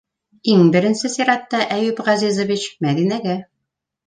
Иң беренсе сиратта, Әйүп Ғәзизович, Мәҙинәгә.